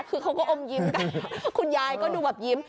คือเขาก็อมยิ้มกันคุณยายก็ดูแบบยิ้ม